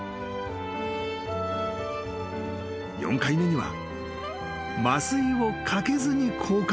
［４回目には］